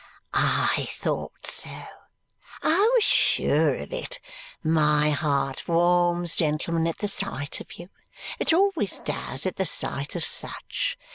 "I thought so. I was sure of it. My heart warms, gentlemen, at the sight of you. It always does at the sight of such.